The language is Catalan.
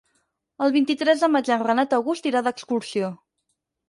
El vint-i-tres de maig en Renat August irà d'excursió.